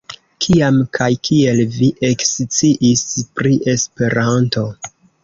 Kiam kaj kiel vi eksciis pri Esperanto?